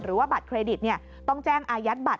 หรือว่าบัตรเครดิตต้องแจ้งอายัดบัตร